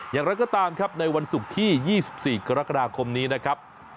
อย่างไรก็ตามครับในวันศุกร์ที่๒๔กรกฎาคมนี้นะครับ